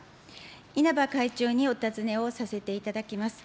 稲葉会長にお尋ねをさせていただきます。